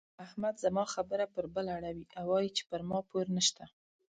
احمد زما خبره پر بله اړوي او وايي چې پر ما پور نه شته.